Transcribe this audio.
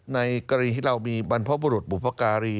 ในกรณีที่เรามีบรรพบุรุษบุพการี